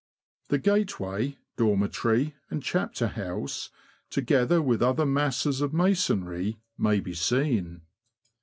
The gateway, dormitory, and chapter house, together with other masses of masonry, may be seen.